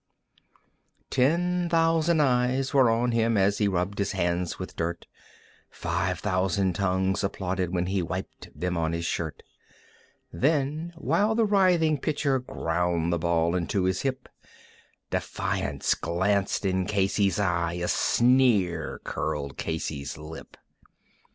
Ten thousand eyes were on him as he rubbed his hands with dirt, Five thousand tongues applauded when he wiped them on his shirt; Then, while the writhing pitcher ground the ball into his hip, Defiance glanced in Casey's eye, a sneer curled Casey's lip.